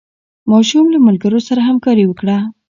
ماشوم له ملګرو سره همکاري وکړه